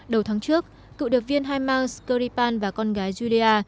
đầu tháng trước cựu điều viên hai mang skripal và con gái julia